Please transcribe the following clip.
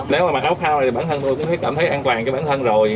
nếu mà mặc áo phao thì bản thân tôi cũng thấy cảm thấy an toàn cho bản thân rồi